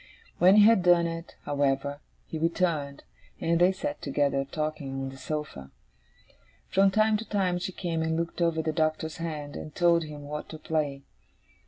When he had done it, however, he returned, and they sat together, talking, on the sofa. From time to time she came and looked over the Doctor's hand, and told him what to play.